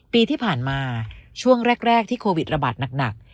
ปีที่ผ่านมาช่วงแรกที่โควิดระบาดหนัก